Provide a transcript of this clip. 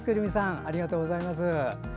ありがとうございます。